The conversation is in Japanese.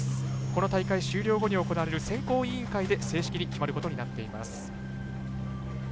この大会の終了後に行われる選考委員会で正式に決まることになっています。